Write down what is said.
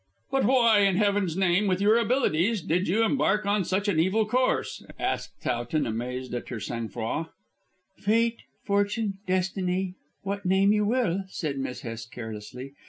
"But why, in heaven's name, with your abilities, did you embark on such an evil course?" asked Towton amazed at her sang froid. "Fate, Fortune, Destiny: what name you will," said Miss Hest carelessly.